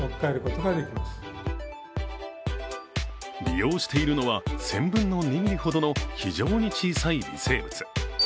利用しているのは１０００分の２ミリほどの非常に小さい微生物。